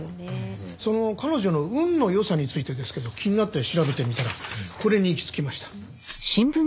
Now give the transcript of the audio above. その彼女の運の良さについてですけど気になって調べてみたらこれに行き着きました。